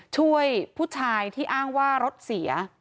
ช่วยผู้ชายที่อ้างว่ารถเสีย